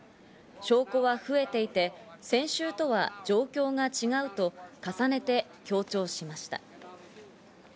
証拠は増えていて、先週とは状況が違うと重ねて強調しました。